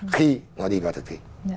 khi nó đi vào thực thị